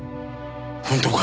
本当か！？